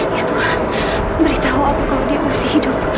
ya tuhan beritahu aku kalau dia masih hidup